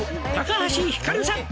「橋ひかるさん